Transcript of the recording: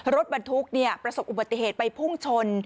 รถบรรทุกประสบอุบัติเหตุไปพุ่งชน